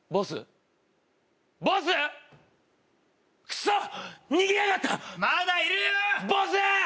クソッ逃げやがったまだいるよボス！